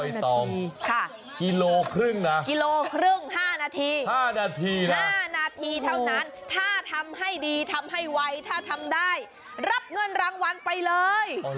น้องใบตอมกิโลครึ่งนะห้านาทีถ้าทำให้ดีทำให้ไวถ้าทำได้รับเงินรางวัลไปเลย